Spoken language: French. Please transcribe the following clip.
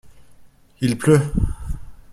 Il pleut.